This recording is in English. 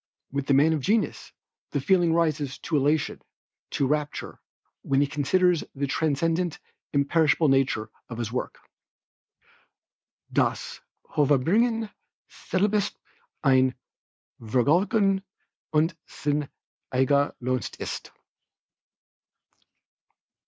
With the man of genius, the feeling rises to elation, to rapture, when he considers the transcendent, imperishable nature of his work. "Dass Hervorbringen selbst ein Vergnügen und sein eigner Lohn ist."